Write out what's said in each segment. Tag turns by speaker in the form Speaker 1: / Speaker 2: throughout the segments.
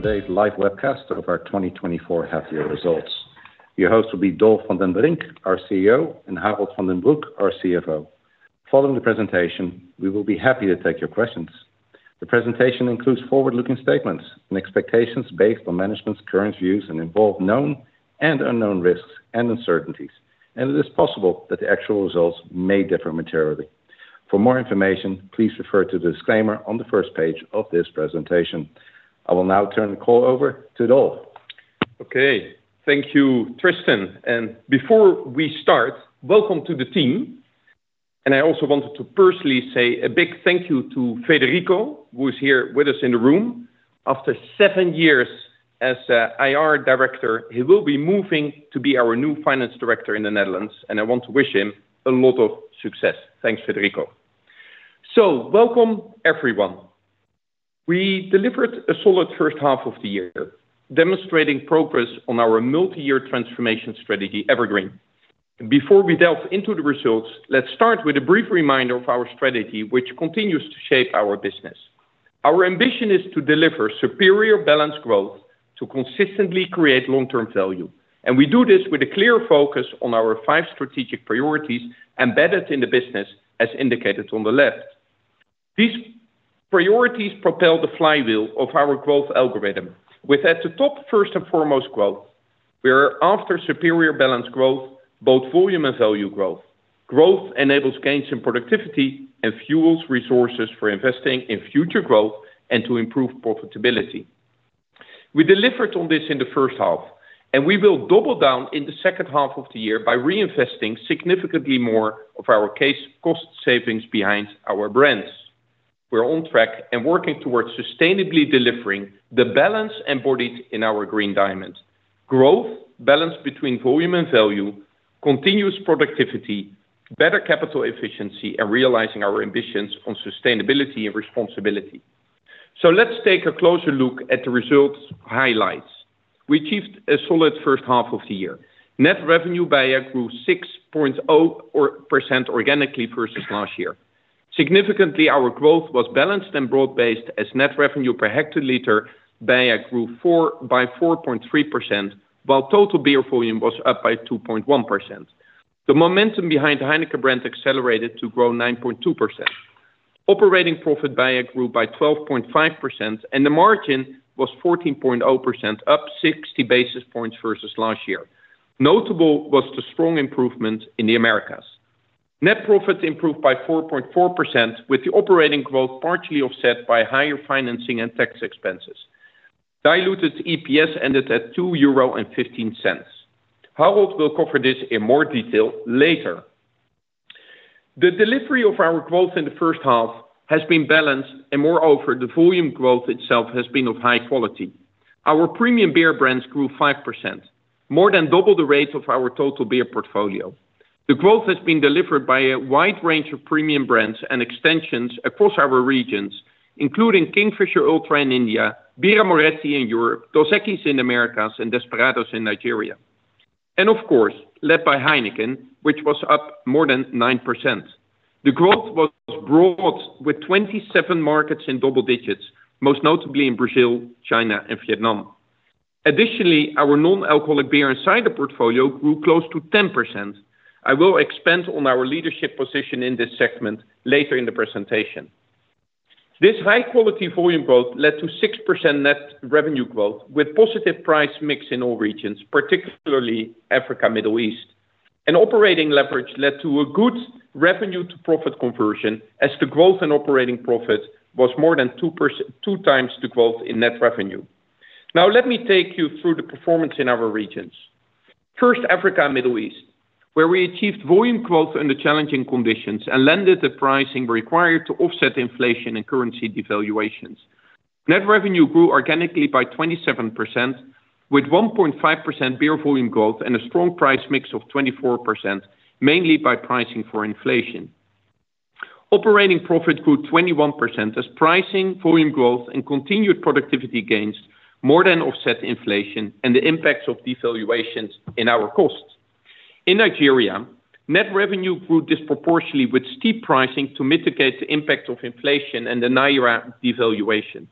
Speaker 1: Today's live webcast of our 2024 half year results. Your host will be Dolf van den Brink, our CEO, and Harold van den Broek, our CFO. Following the presentation, we will be happy to take your questions. The presentation includes forward-looking statements and expectations based on management's current views, and involve known and unknown risks and uncertainties, and it is possible that the actual results may differ materially. For more information, please refer to the disclaimer on the first page of this presentation. I will now turn the call over to Dolf.
Speaker 2: Okay. Thank you, Tristan, and before we start, welcome to the team. I also wanted to personally say a big thank you to Federico, who is here with us in the room. After seven years as IR director, he will be moving to be our new finance director in the Netherlands, and I want to wish him a lot of success. Thanks, Federico. Welcome, everyone. We delivered a solid first half of the year, demonstrating progress on our multi-year transformation strategy, EverGreen. Before we delve into the results, let's start with a brief reminder of our strategy, which continues to shape our business. Our ambition is to deliver superior balanced growth, to consistently create long-term value, and we do this with a clear focus on our five strategic priorities embedded in the business, as indicated on the left. These priorities propel the flywheel of our growth algorithm, with at the top, first and foremost, growth. We are after superior balanced growth, both volume and value growth. Growth enables gains in productivity and fuels resources for investing in future growth and to improve profitability. We delivered on this in the first half, and we will double down in the second half of the year by reinvesting significantly more of our case cost savings behind our brands. We're on track and working towards sustainably delivering the balance embodied in our green diamond. Growth, balance between volume and value, continuous productivity, better capital efficiency, and realizing our ambitions on sustainability and responsibility. So let's take a closer look at the results highlights. We achieved a solid first half of the year. Net revenue BEIA grew 6.0% organically versus last year. Significantly, our growth was balanced and broad-based as net revenue per hectoliter BEIA grew by 4.3%, while total beer volume was up by 2.1%. The momentum behind Heineken brands accelerated to grow 9.2%. Operating profit BEIA grew by 12.5%, and the margin was 14.0%, up 60 basis points versus last year. Notable was the strong improvement in the Americas. Net profit improved by 4.4%, with the operating growth partially offset by higher financing and tax expenses. Diluted EPS ended at 2.15 euro. Harold will cover this in more detail later. The delivery of our growth in the first half has been balanced, and moreover, the volume growth itself has been of high quality. Our premium beer brands grew 5%, more than double the rate of our total beer portfolio. The growth has been delivered by a wide range of premium brands and extensions across our regions, including Kingfisher Ultra in India, Birra Moretti in Europe, Dos Equis in Americas, and Desperados in Nigeria. And of course, led by Heineken, which was up more than 9%. The growth was broad, with 27 markets in double digits, most notably in Brazil, China and Vietnam. Additionally, our non-alcoholic beer and cider portfolio grew close to 10%. I will expand on our leadership position in this segment later in the presentation. This high-quality volume growth led to 6% net revenue growth, with positive price mix in all regions, particularly Africa, Middle East. Operating leverage led to a good revenue-to-profit conversion, as the growth in operating profit was more than two times the growth in net revenue. Now, let me take you through the performance in our regions. First, Africa and Middle East, where we achieved volume growth in the challenging conditions and landed the pricing required to offset inflation and currency devaluations. Net revenue grew organically by 27%, with 1.5% beer volume growth and a strong price mix of 24%, mainly by pricing for inflation. Operating profit grew 21%, as pricing, volume growth, and continued productivity gains more than offset the inflation and the impacts of devaluations in our costs. In Nigeria, net revenue grew disproportionately with steep pricing to mitigate the impact of inflation and the Naira devaluation.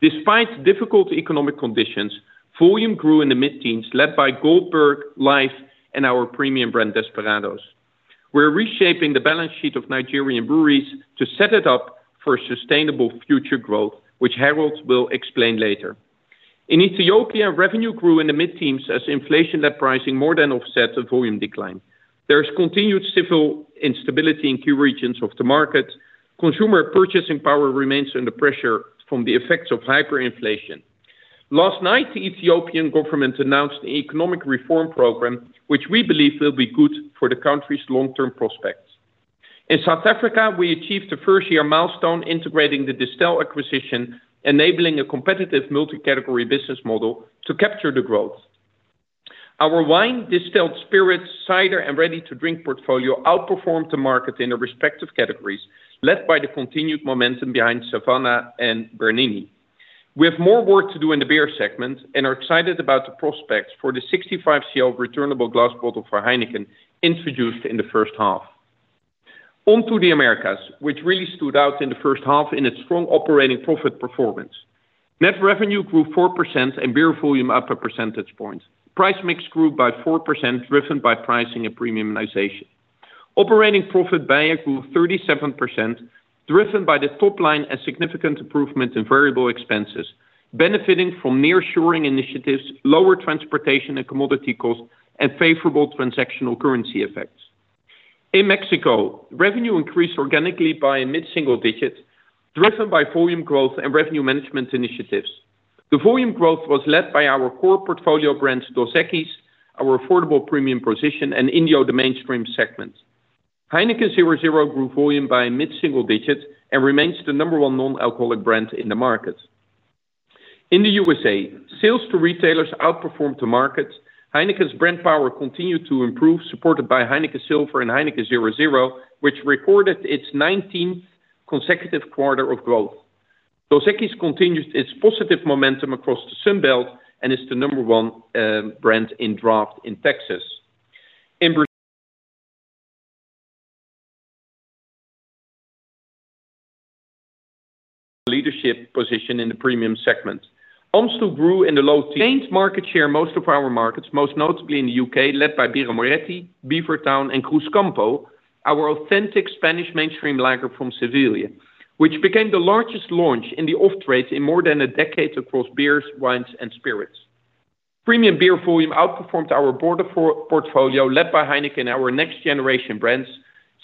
Speaker 2: Despite difficult economic conditions, volume grew in the mid-teens, led by Goldberg, Life, and our premium brand, Desperados. We're reshaping the balance sheet of Nigerian Breweries to set it up for sustainable future growth, which Harold will explain later. In Ethiopia, revenue grew in the mid-teens as inflation-led pricing more than offset the volume decline. There is continued civil instability in key regions of the market. Consumer purchasing power remains under pressure from the effects of hyperinflation. Last night, the Ethiopian government announced an economic reform program, which we believe will be good for the country's long-term prospects. In South Africa, we achieved the first-year milestone, integrating the Distell acquisition, enabling a competitive multi-category business model to capture the growth. Our wine, distilled spirits, cider, and ready-to-drink portfolio outperformed the market in their respective categories, led by the continued momentum behind Savanna and Bernini. We have more work to do in the beer segment and are excited about the prospects for the 65 cl returnable glass bottle for Heineken introduced in the first half. On to the Americas, which really stood out in the first half in its strong operating profit performance. Net revenue grew 4% and beer volume up 1% point. Price mix grew by 4%, driven by pricing and premiumization. Operating profit BEIA grew 37%, driven by the top line and significant improvement in variable expenses, benefiting from nearshoring initiatives, lower transportation and commodity costs, and favorable transactional currency effects. In Mexico, revenue increased organically by mid-single digits, driven by volume growth and revenue management initiatives. The volume growth was led by our core portfolio brands, Dos Equis, our affordable premium position, and in the mainstream segments. Heineken 0.0 grew volume by mid-single digits and remains the number 1 non-alcoholic brand in the market. In the USA, sales to retailers outperformed the market. Heineken's brand power continued to improve, supported by Heineken Silver and Heineken 0.0, which recorded its 19th consecutive quarter of growth. Dos Equis continues its positive momentum across the Sun Belt and is the number 1 brand in draft in Texas. Its leadership position in the premium segment also grew in the low-single digits and gained market share in most of our markets, most notably in the U.K., led by Birra Moretti, Beavertown, and Cruzcampo, our authentic Spanish mainstream lager from Sevilla, which became the largest launch in the off-trade in more than a decade across beers, wines, and spirits. Premium beer volume outperformed our broader portfolio, led by Heineken and our next-generation brands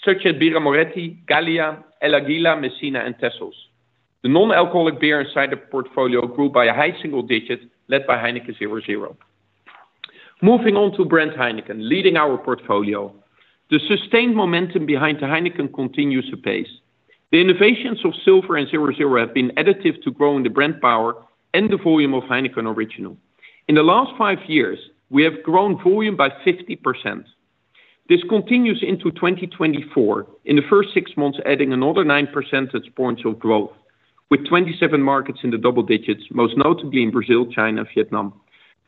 Speaker 2: such as Birra Moretti, Gallia, El Águila, Messina, and Texels. The non-alcoholic beer and cider portfolio grew by a high single-digit, led by Heineken 0.0. Moving on to brand Heineken, leading our portfolio. The sustained momentum behind the Heineken continues apace. The innovations of Silver and 0.0 have been additive to growing the brand power and the volume of Heineken Original. In the last five years, we have grown volume by 50%. This continues into 2024, in the first six months, adding another 9% points of growth, with 27 markets in the double digits, most notably in Brazil, China, and Vietnam.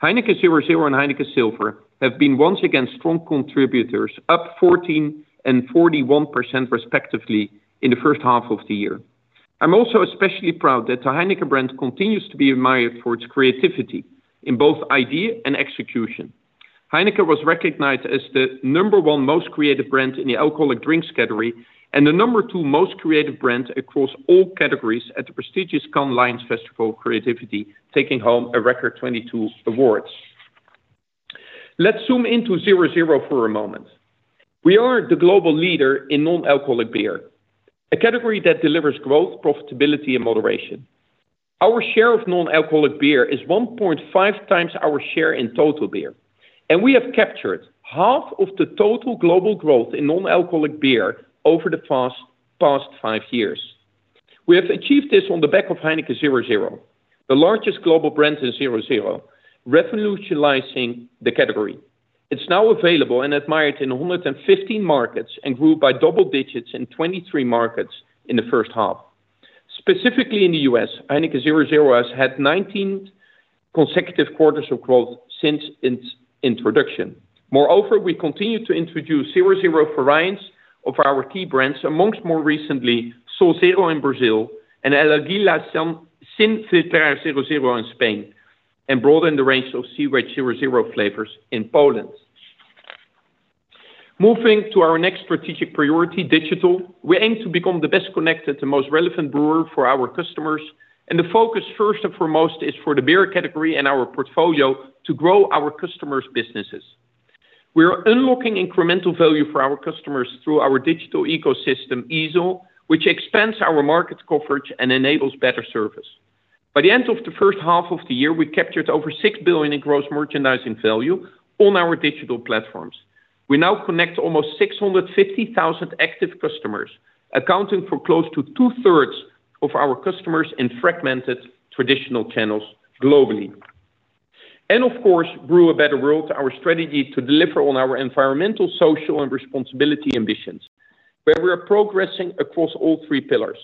Speaker 2: Heineken 0.0 and Heineken Silver have been once again strong contributors, up 14% and 41% respectively in the first half of the year. I'm also especially proud that the Heineken brand continues to be admired for its creativity in both idea and execution. Heineken was recognized as the number 1 most creative brand in the alcoholic drinks category, and the number 2 most creative brand across all categories at the prestigious Cannes Lions Festival of Creativity, taking home a record 22 awards. Let's zoom into 0.0 for a moment. We are the global leader in non-alcoholic beer, a category that delivers growth, profitability, and moderation. Our share of non-alcoholic beer is 1.5 times our share in total beer, and we have captured half of the total global growth in non-alcoholic beer over the past five years. We have achieved this on the back of Heineken 0.0, the largest global brand in 0.0, revolutionizing the category. It's now available and admired in 115 markets and grew by double digits in 23 markets in the first half. Specifically in the US, Heineken 0.0 has had 19 consecutive quarters of growth since its introduction. Moreover, we continue to introduce 0.0 variants of our key brands, amongst more recently, Sol Zero in Brazil and El Águila Sin Filtrar 0.0 in Spain, and broaden the range of 0.0 flavors in Poland. Moving to our next strategic priority, digital, we aim to become the best connected and most relevant brewer for our customers, and the focus, first and foremost, is for the beer category and our portfolio to grow our customers' businesses. We are unlocking incremental value for our customers through our digital ecosystem, eazle, which expands our market coverage and enables better service. By the end of the first half of the year, we captured over 6 billion in gross merchandising value on our digital platforms. We now connect almost 650,000 active customers, accounting for close to two-thirds of our customers in fragmented traditional channels globally. Of course, Brew a Better World, our strategy to deliver on our environmental, social, and responsibility ambitions, where we are progressing across all three pillars.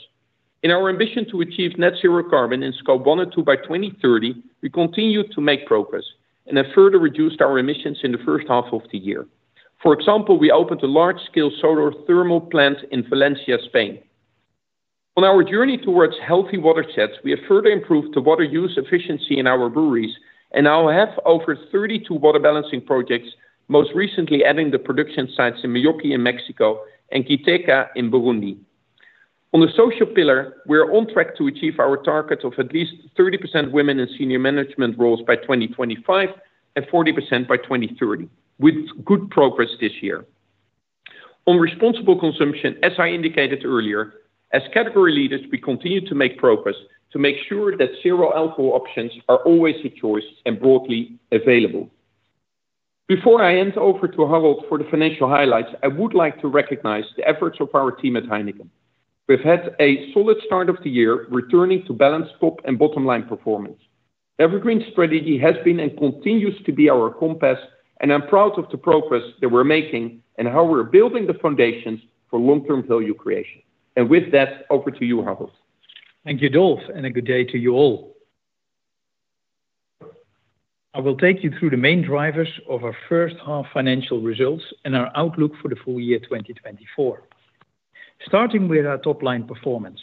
Speaker 2: In our ambition to achieve net zero carbon in scope 1 and 2 by 2030, we continue to make progress and have further reduced our emissions in the first half of the year. For example, we opened a large-scale solar thermal plant in Valencia, Spain. On our journey towards healthy watersheds, we have further improved the water use efficiency in our breweries and now have over 32 water balancing projects, most recently adding the production sites in Mexicali in Mexico and Gitega in Burundi. On the social pillar, we're on track to achieve our target of at least 30% women in senior management roles by 2025 and 40% by 2030, with good progress this year. On responsible consumption, as I indicated earlier, as category leaders, we continue to make progress to make sure that zero alcohol options are always the choice and broadly available. Before I hand over to Harold for the financial highlights, I would like to recognize the efforts of our team at Heineken. We've had a solid start of the year, returning to balanced top and bottom line performance. EverGreen strategy has been and continues to be our compass, and I'm proud of the progress that we're making and how we're building the foundations for long-term value creation. With that, over to you, Harold.
Speaker 3: Thank you, Dolf, and a good day to you all. I will take you through the main drivers of our first half financial results and our outlook for the full year 2024. Starting with our top-line performance,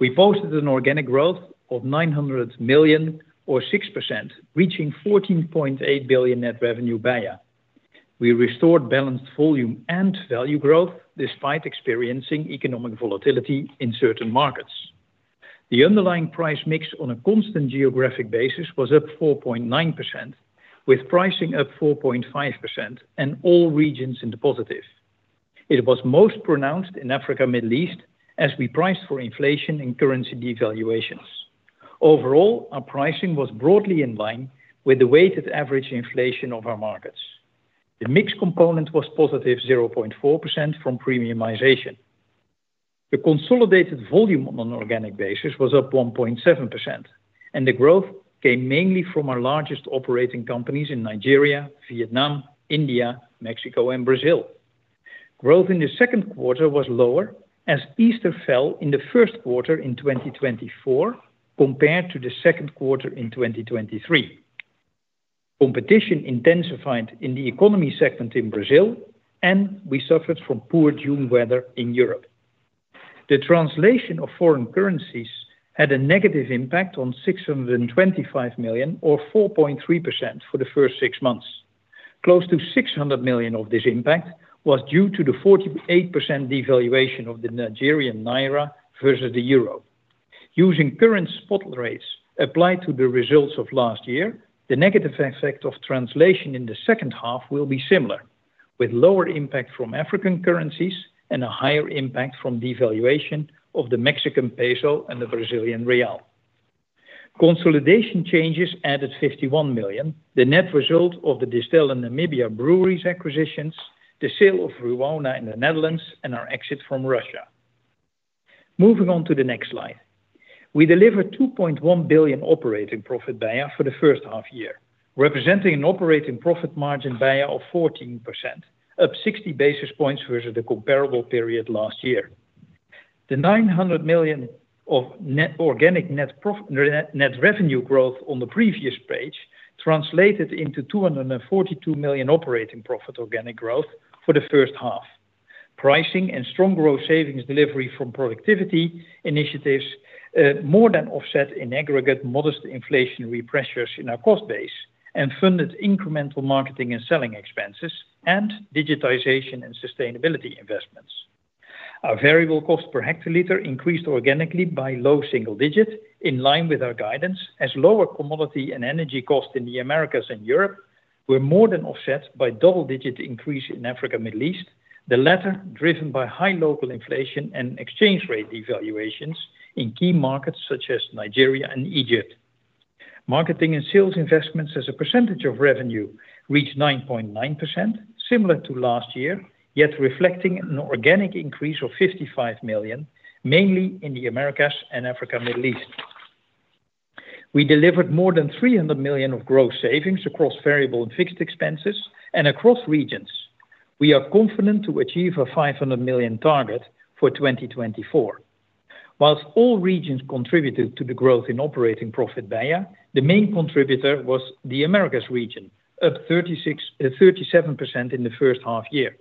Speaker 3: we posted an organic growth of 900 million or 6%, reaching 14.8 billion net revenue BEIA. We restored balanced volume and value growth despite experiencing economic volatility in certain markets. The underlying price mix on a constant geographic basis was up 4.9%, with pricing up 4.5% and all regions in the positive. It was most pronounced in Africa, Middle East, as we priced for inflation and currency devaluations. Overall, our pricing was broadly in line with the weighted average inflation of our markets. The mix component was positive 0.4% from premiumization. The consolidated volume on an organic basis was up 1.7%, and the growth came mainly from our largest operating companies in Nigeria, Vietnam, India, Mexico, and Brazil. Growth in the second quarter was lower as Easter fell in the first quarter in 2024 compared to the second quarter in 2023. Competition intensified in the economy segment in Brazil, and we suffered from poor June weather in Europe. The translation of foreign currencies had a negative impact on 625 million, or 4.3% for the first six months. Close to 600 million of this impact was due to the 48% devaluation of the Nigerian Naira versus the Euro. Using current spot rates applied to the results of last year, the negative effect of translation in the second half will be similar, with lower impact from African currencies and a higher impact from devaluation of the Mexican peso and the Brazilian real. Consolidation changes added 51 million, the net result of the Distell and Namibia Breweries acquisitions, the sale of Vrumona in the Netherlands, and our exit from Russia. Moving on to the next slide. We delivered 2.1 billion operating profit BEIA for the first half year, representing an operating profit margin BEIA of 14%, up 60 basis points versus the comparable period last year. The 900 million of organic net revenue growth on the previous page translated into 242 million operating profit organic growth for the first half. Pricing and strong growth savings delivery from productivity initiatives more than offset in aggregate modest inflationary pressures in our cost base and funded incremental marketing and selling expenses and digitization and sustainability investments. Our variable cost per hectoliter increased organically by low single digits, in line with our guidance, as lower commodity and energy costs in the Americas and Europe were more than offset by double-digit increase in Africa, Middle East, the latter driven by high local inflation and exchange rate devaluations in key markets such as Nigeria and Egypt. Marketing and sales investments as a percentage of revenue reached 9.9%, similar to last year, yet reflecting an organic increase of 55 million, mainly in the Americas and Africa, Middle East. We delivered more than 300 million of growth savings across variable and fixed expenses and across regions. We are confident to achieve a 500 million target for 2024. While all regions contributed to the growth in operating profit BEIA, the main contributor was the Americas region, up 36%-37% in the first half year.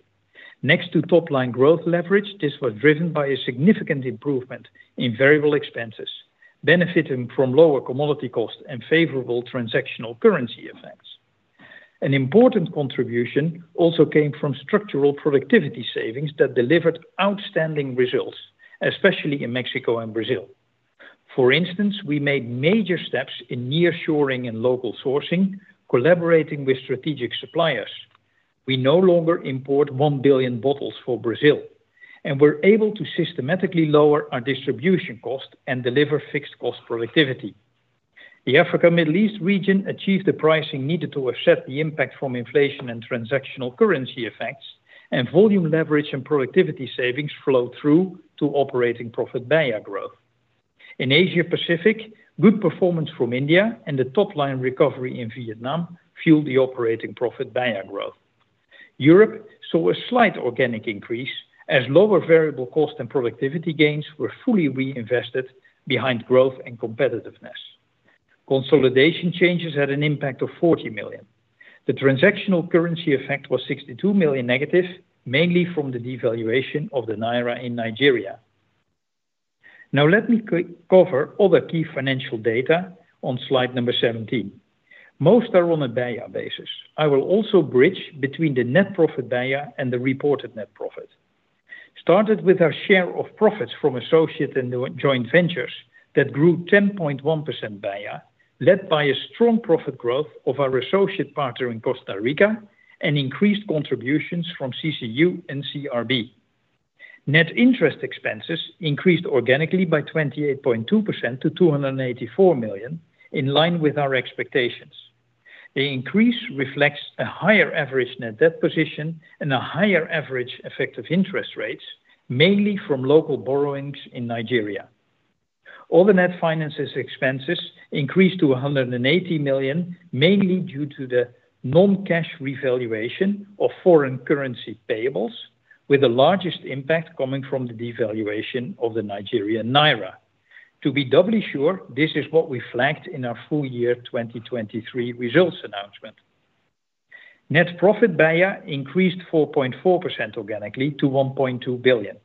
Speaker 3: Next to top-line growth leverage, this was driven by a significant improvement in variable expenses, benefiting from lower commodity costs and favorable transactional currency effects. An important contribution also came from structural productivity savings that delivered outstanding results, especially in Mexico and Brazil. For instance, we made major steps in nearshoring and local sourcing, collaborating with strategic suppliers. We no longer import 1 billion bottles for Brazil, and we're able to systematically lower our distribution cost and deliver fixed cost productivity. The Africa, Middle East region achieved the pricing needed to offset the impact from inflation and transactional currency effects, and volume leverage and productivity savings flowed through to operating profit BEIA growth. In Asia Pacific, good performance from India and the top-line recovery in Vietnam fueled the operating profit BEIA growth. Europe saw a slight organic increase as lower variable cost and productivity gains were fully reinvested behind growth and competitiveness. Consolidation changes had an impact of 40 million. The transactional currency effect was 62 million negative, mainly from the devaluation of the Naira in Nigeria. Now, let me quickly cover other key financial data on slide 17. Most are on a BEIA basis. I will also bridge between the net profit BEIA and the reported net profit. Started with our share of profits from associates and joint ventures that grew 10.1% BEIA, led by a strong profit growth of our associate partner in Costa Rica and increased contributions from CCU and CRB. Net interest expenses increased organically by 28.2% to 284 million, in line with our expectations. The increase reflects a higher average net debt position and a higher average effective interest rates, mainly from local borrowings in Nigeria. All in, the net finance expenses increased to 180 million, mainly due to the non-cash revaluation of foreign currency payables, with the largest impact coming from the devaluation of the Nigerian Naira. To be doubly sure, this is what we flagged in our full year 2023 results announcement. Net profit BEIA increased 4.4% organically to 1.2 billion.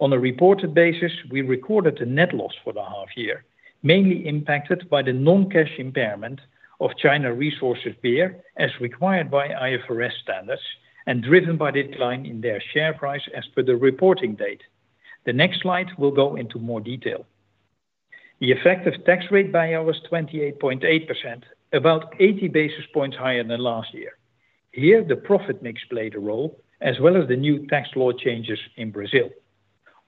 Speaker 3: On a reported basis, we recorded a net loss for the half year, mainly impacted by the non-cash impairment of China Resources Beer, as required by IFRS standards, and driven by the decline in their share price as per the reporting date. The next slide will go into more detail. The effective tax rate BEIA was 28.8%, about 80 basis points higher than last year. Here, the profit mix played a role, as well as the new tax law changes in Brazil.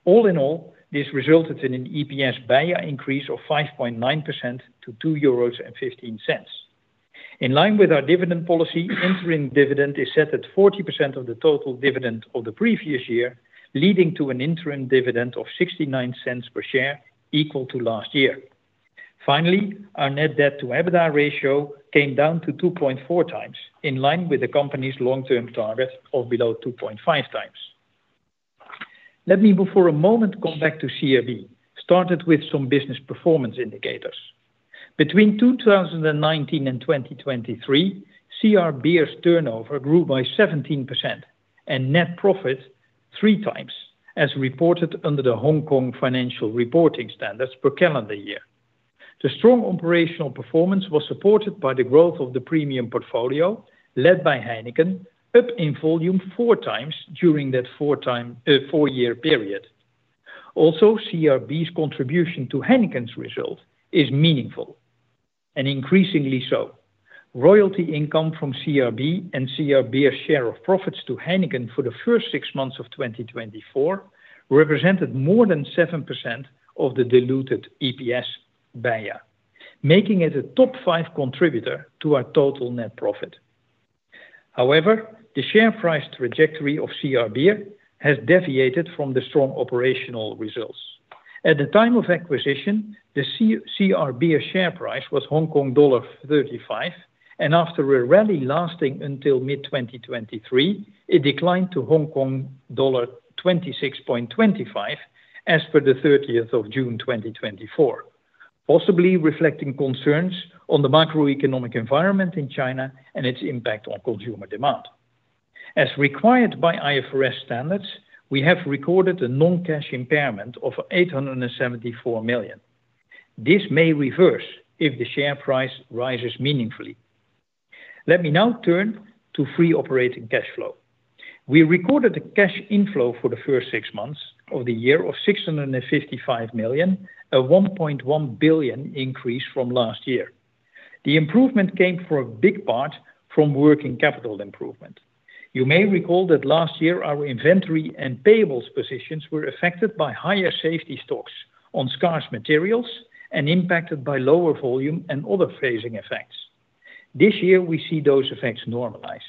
Speaker 3: All in all, this resulted in an EPS BEIA increase of 5.9% to 2.15 euros. In line with our dividend policy, the interim dividend is set at 40% of the total dividend of the previous year, leading to an interim dividend of 0.69 per share, equal to last year. Finally, our net debt to EBITDA ratio came down to 2.4 times, in line with the company's long-term target of below 2.5 times. Let me before a moment go back to CR Beer, started with some business performance indicators. Between 2019 and 2023, CR Beer's turnover grew by 17%, and net profit 3 times, as reported under the Hong Kong Financial Reporting Standards per calendar year. The strong operational performance was supported by the growth of the premium portfolio, led by Heineken, up in volume 4 times during that 4-year period. Also, CRB's contribution to Heineken's result is meaningful and increasingly so. Royalty income from CRB and CR Beer share of profits to Heineken for the first six months of 2024, represented more than 7% of the diluted EPS BEIA, making it a top five contributor to our total net profit. However, the share price trajectory of CR Beer has deviated from the strong operational results. At the time of acquisition, the CR Beer share price was Hong Kong dollar 35, and after a rally lasting until mid-2023, it declined to Hong Kong dollar 26.25 as per the 30th of June, 2024. Possibly reflecting concerns on the macroeconomic environment in China and its impact on consumer demand. As required by IFRS standards, we have recorded a non-cash impairment of 874 million. This may reverse if the share price rises meaningfully. Let me now turn to free operating cash flow. We recorded a cash inflow for the first six months of the year of 655 million, a 1.1 billion increase from last year. The improvement came for a big part from working capital improvement. You may recall that last year, our inventory and payables positions were affected by higher safety stocks on scarce materials and impacted by lower volume and other phasing effects. This year, we see those effects normalize.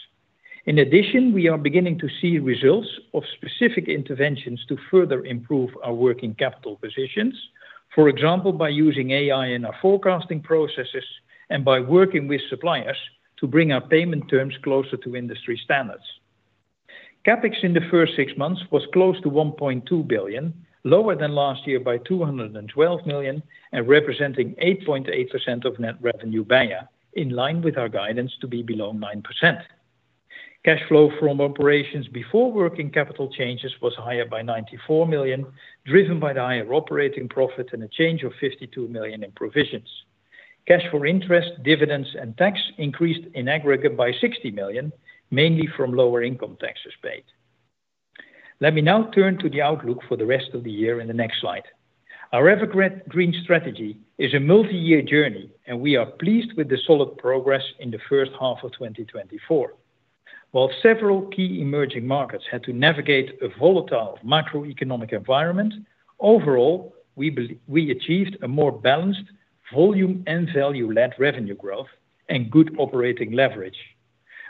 Speaker 3: In addition, we are beginning to see results of specific interventions to further improve our working capital positions. For example, by using AI in our forecasting processes, and by working with suppliers to bring our payment terms closer to industry standards. CapEx in the first six months was close to 1.2 billion, lower than last year by 212 million, and representing 8.8% of net revenue BEIA, in line with our guidance to be below 9%. Cash flow from operations before working capital changes was higher by 94 million, driven by the higher operating profit and a change of 52 million in provisions. Cash for interest, dividends, and tax increased in aggregate by 60 million, mainly from lower income taxes paid. Let me now turn to the outlook for the rest of the year in the next slide. Our EverGreen strategy is a multi-year journey, and we are pleased with the solid progress in the first half of 2024. While several key emerging markets had to navigate a volatile macroeconomic environment, overall, we achieved a more balanced volume and value-led revenue growth and good operating leverage.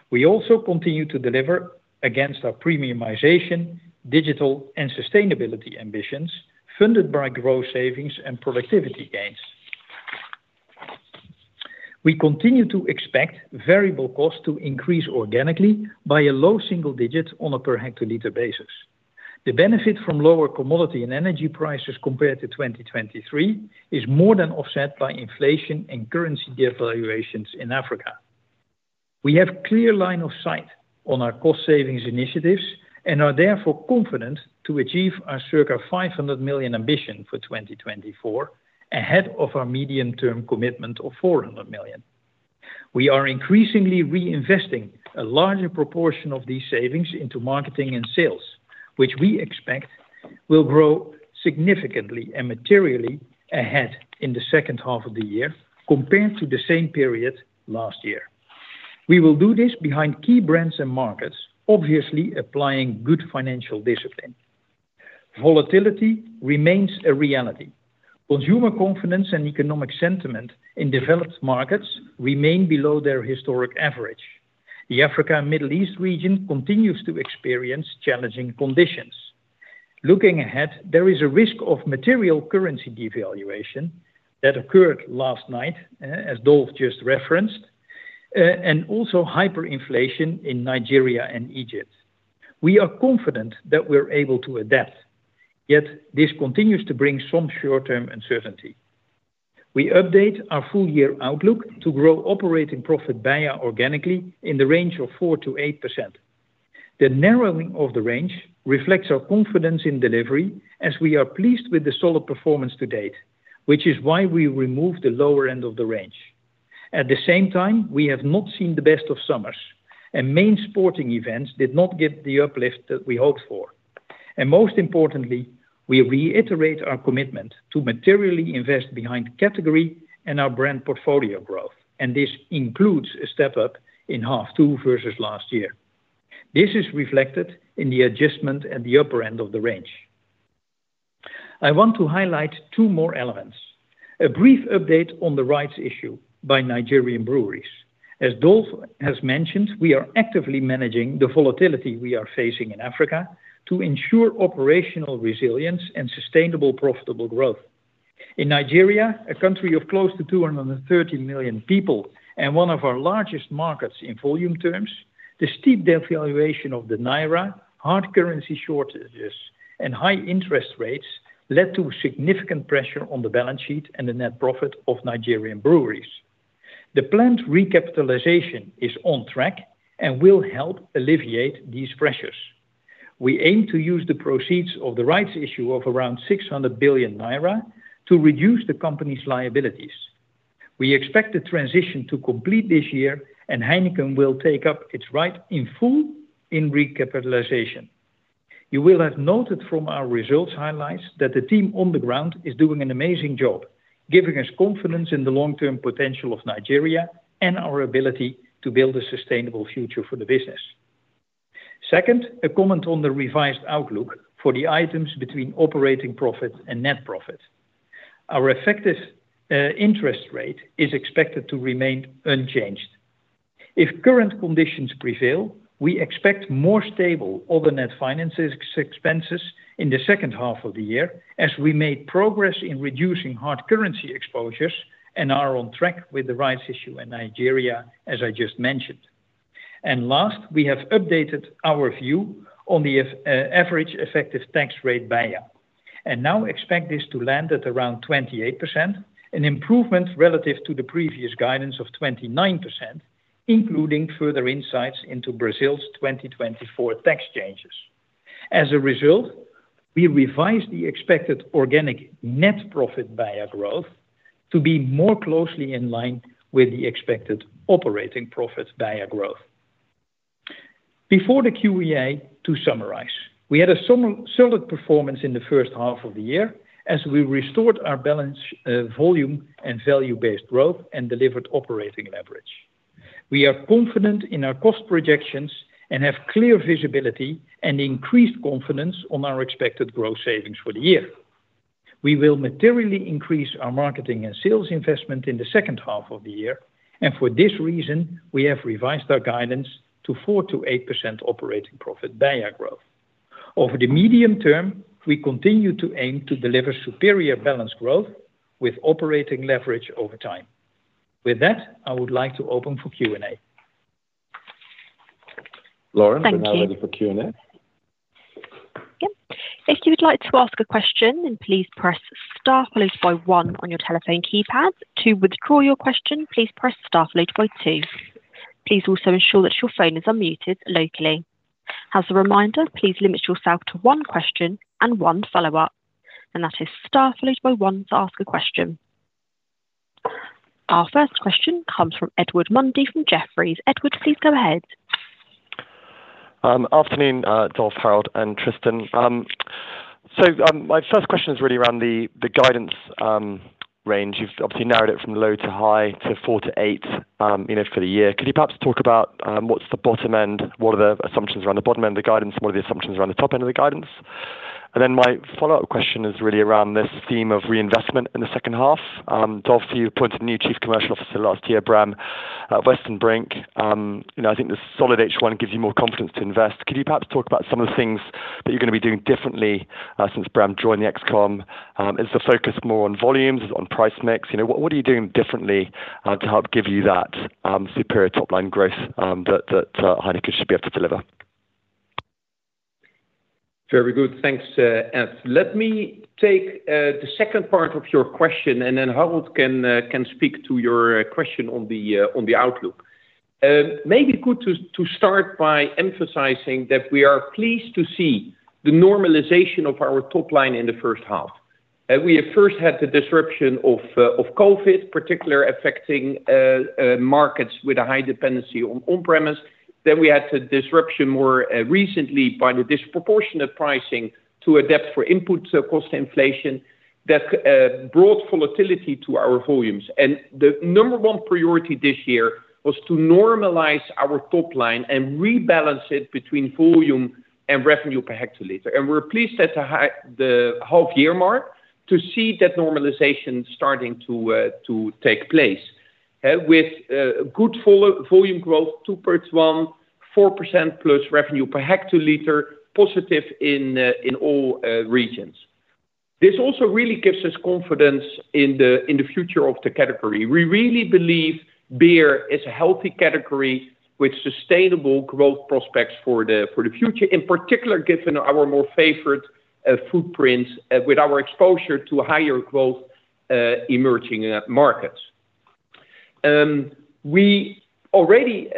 Speaker 3: We also continue to deliver against our premiumization, digital, and sustainability ambitions, funded by growth savings and productivity gains. We continue to expect variable costs to increase organically by a low single digits on a per hectoliter basis. The benefit from lower commodity and energy prices compared to 2023 is more than offset by inflation and currency devaluations in Africa. We have clear line of sight on our cost savings initiatives and are therefore confident to achieve our circa 500 million ambition for 2024, ahead of our medium-term commitment of 400 million. We are increasingly reinvesting a larger proportion of these savings into marketing and sales, which we expect will grow significantly and materially ahead in the second half of the year compared to the same period last year. We will do this behind key brands and markets, obviously applying good financial discipline. Volatility remains a reality. Consumer confidence and economic sentiment in developed markets remain below their historic average. The Africa and Middle East region continues to experience challenging conditions. Looking ahead, there is a risk of material currency devaluation that occurred last night, as Dolf just referenced, and also hyperinflation in Nigeria and Egypt. We are confident that we're able to adapt, yet this continues to bring some short-term uncertainty. We update our full year outlook to grow operating profit BEIA organically 4%-8%. The narrowing of the range reflects our confidence in delivery as we are pleased with the solid performance to date, which is why we removed the lower end of the range. At the same time, we have not seen the best of summers, and main sporting events did not get the uplift that we hoped for. And most importantly, we reiterate our commitment to materially invest behind category and our brand portfolio growth, and this includes a step up in half two versus last year. This is reflected in the adjustment at the upper end of the range. I want to highlight two more elements. A brief update on the rights issue by Nigerian Breweries. As Dolf has mentioned, we are actively managing the volatility we are facing in Africa to ensure operational resilience and sustainable, profitable growth. In Nigeria, a country of close to 230 million people and one of our largest markets in volume terms, the steep devaluation of the Naira, hard currency shortages, and high interest rates led to significant pressure on the balance sheet and the net profit of Nigerian Breweries. The planned recapitalization is on track and will help alleviate these pressures. We aim to use the proceeds of the rights issue of around 600 billion naira to reduce the company's liabilities. We expect the transition to complete this year, and Heineken will take up its right in recapitalization. You will have noted from our results highlights that the team on the ground is doing an amazing job, giving us confidence in the long-term potential of Nigeria and our ability to build a sustainable future for the business. Second, a comment on the revised outlook for the items between operating profit and net profit. Our effective interest rate is expected to remain unchanged. If current conditions prevail, we expect more stable other net finances expenses in the second half of the year as we made progress in reducing hard currency exposures and are on track with the rights issue in Nigeria, as I just mentioned. And last, we have updated our view on the average effective tax rate BEIA, and now expect this to land at around 28%, an improvement relative to the previous guidance of 29%, including further insights into Brazil's 2024 tax changes. As a result, we revised the expected organic net profit BEIA growth to be more closely in line with the expected operating profit BEIA growth. Before the Q&A, to summarize, we had a solid performance in the first half of the year as we restored our balance, volume and value-based growth and delivered operating leverage. We are confident in our cost projections and have clear visibility and increased confidence on our expected growth savings for the year. We will materially increase our marketing and sales investment in the second half of the year, and for this reason, we have revised our guidance to 4%-8% operating profit BEIA growth. Over the medium term, we continue to aim to deliver superior balanced growth with operating leverage over time. With that, I would like to open for Q&A.
Speaker 1: Lauren.
Speaker 4: Thank you.
Speaker 1: We're now ready for Q&A.
Speaker 4: Yep. If you would like to ask a question, then please press star followed by one on your telephone keypad. To withdraw your question, please press star followed by two. Please also ensure that your phone is unmuted locally. As a reminder, please limit yourself to one question and one follow-up. And that is star followed by one to ask a question. Our first question comes from Edward Mundy, from Jefferies. Edward, please go ahead.
Speaker 5: Afternoon, Dolf, Harold, and Tristan. So, my first question is really around the guidance range. You've obviously narrowed it from low to high to 4-8, you know, for the year. Could you perhaps talk about what's the bottom end? What are the assumptions around the bottom end of the guidance and what are the assumptions around the top end of the guidance? And then my follow-up question is really around this theme of reinvestment in the second half. Dolf, you appointed a new chief commercial officer last year, Bram Westenbrink. You know, I think the solid H1 gives you more confidence to invest. Could you perhaps talk about some of the things that you're gonna be doing differently, since Bram joined the ExCom? Is the focus more on volumes, on price mix? You know, what are you doing differently to help give you that superior top-line growth that Heineken should be able to deliver?
Speaker 3: Very good. Thanks, Ed. Let me take the second part of your question, and then Harold can speak to your question on the outlook. Maybe good to start by emphasizing that we are pleased to see the normalization of our top line in the first half. We at first had the disruption of Covid, particularly affecting markets with a high dependency on on-premise. Then we had the disruption more recently by the disproportionate pricing to adapt for input cost inflation that brought volatility to our volumes. And the number one priority this year was to normalize our top line and rebalance it between volume and revenue per hectoliter. We're pleased at this half-year mark to see that normalization starting to take place with good volume growth, 2.14% plus revenue per hectoliter, positive in all regions.
Speaker 2: This also really gives us confidence in the future of the category. We really believe beer is a healthy category with sustainable growth prospects for the future, in particular, given our more favorable footprints with our exposure to higher growth emerging markets. We already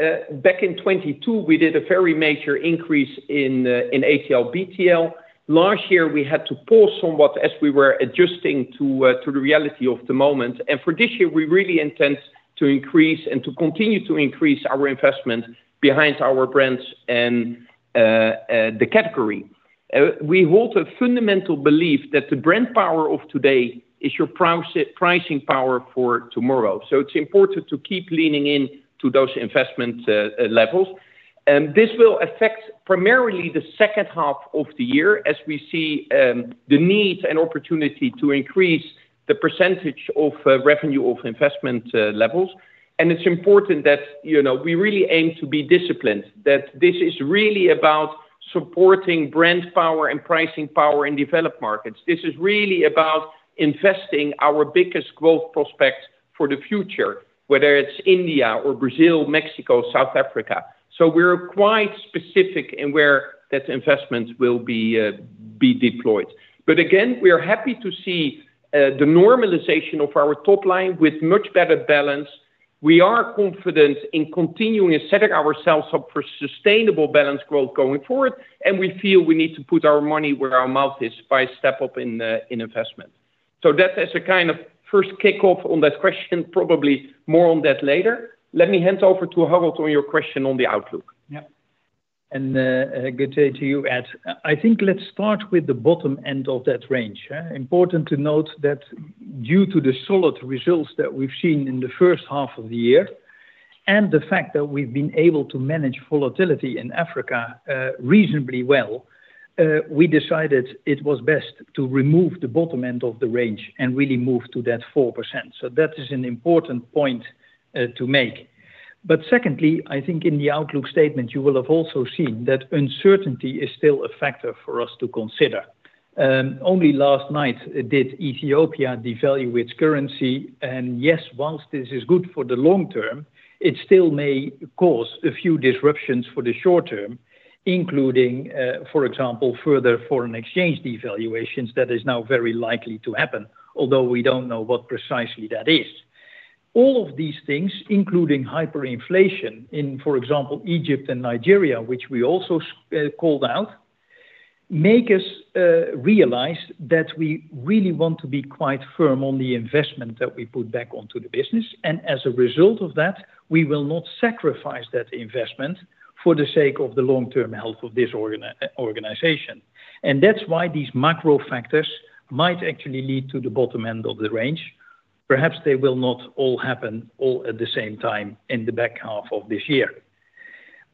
Speaker 2: back in 2022, we did a very major increase in ATL, BTL. Last year, we had to pause somewhat as we were adjusting to the reality of the moment. And for this year, we really intend to increase and to continue to increase our investment behind our brands and the category. We hold a fundamental belief that the brand power of today is your pricing power for tomorrow. So it's important to keep leaning in to those investment levels. This will affect primarily the second half of the year as we see the need and opportunity to increase the percentage of revenue of investment levels. And it's important that, you know, we really aim to be disciplined, that this is really about supporting brand power and pricing power in developed markets. This is really about investing our biggest growth prospects for the future, whether it's India or Brazil, Mexico, South Africa. So we're quite specific in where that investment will be deployed. But again, we are happy to see the normalization of our top line with much better balance. We are confident in continuing and setting ourselves up for sustainable balanced growth going forward, and we feel we need to put our money where our mouth is by step up in investment. That is a kind of first kickoff on that question, probably more on that later. Let me hand over to Harold on your question on the outlook.
Speaker 3: Yeah. And, good day to you, Ed. I think let's start with the bottom end of that range. Important to note that due to the solid results that we've seen in the first half of the year, and the fact that we've been able to manage volatility in Africa, reasonably well, we decided it was best to remove the bottom end of the range and really move to that 4%. So that is an important point, to make. But secondly, I think in the outlook statement, you will have also seen that uncertainty is still a factor for us to consider. Only last night did Ethiopia devalue its currency, and yes, while this is good for the long term, it still may cause a few disruptions for the short term, including, for example, further foreign exchange devaluations that is now very likely to happen, although we don't know what precisely that is. All of these things, including hyperinflation in, for example, Egypt and Nigeria, which we also called out, make us realize that we really want to be quite firm on the investment that we put back onto the business, and as a result of that, we will not sacrifice that investment for the sake of the long-term health of this organization. And that's why these macro factors might actually lead to the bottom end of the range. Perhaps they will not all happen all at the same time in the back half of this year.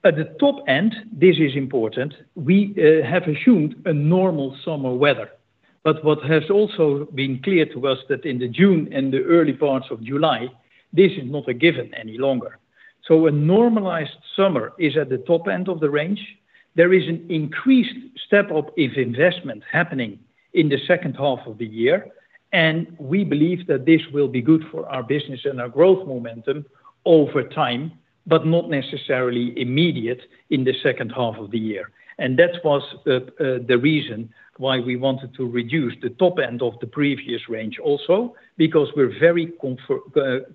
Speaker 3: At the top end, this is important, we have assumed a normal summer weather, but what has also been clear to us that in the June and the early parts of July, this is not a given any longer. So a normalized summer is at the top end of the range. There is an increased step-up of investment happening in the second half of the year, and we believe that this will be good for our business and our growth momentum over time, but not necessarily immediate in the second half of the year. That was the reason why we wanted to reduce the top end of the previous range also, because we're very